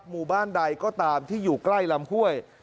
หมู่บ้านใดก็ตามที่อยู่ใกล้ลำห้วย